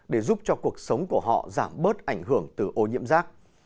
để giúp cho cuộc sống của họ giảm bớt ảnh hưởng từ ô nhiễm rác